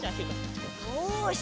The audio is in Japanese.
よし！